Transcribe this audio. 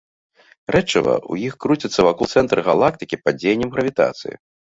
Рэчыва ў іх круціцца вакол цэнтра галактыкі пад дзеяннем гравітацыі.